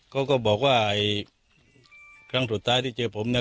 ก็บอกว่าครั้งสุดท้ายที่เจอผมเนี่ย